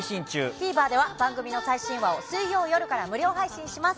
ＴＶｅｒでは番組の最新話を水曜夜から無料配信します。